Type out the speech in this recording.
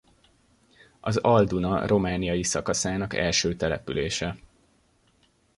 Az Al-Duna romániai szakaszának első települése.